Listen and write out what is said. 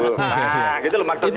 nah gitu maksudnya